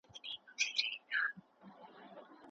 بهرنۍ پالیسي د ملي ګټو د خوندیتوب لپاره ستراتیژي لري.